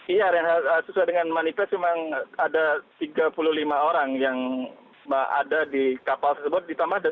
iya renhat sesuai dengan manifest memang ada tiga puluh lima orang yang ada di kapal tersebut